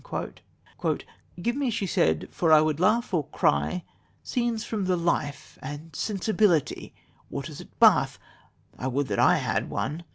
"Give me," she said, "for I would laugh or cry, 'Scenes from the Life,' and 'Sensibility,' 'Winters at Bath': I would that I had one!